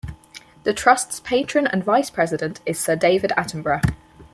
The trust's patron and vice-president is Sir David Attenborough.